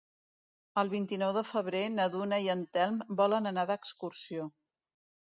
El vint-i-nou de febrer na Duna i en Telm volen anar d'excursió.